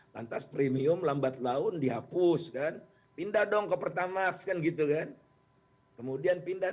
lantas premium lambat laun dihapuskan pindah dong ke pertama aksen gitu kan kemudian pindah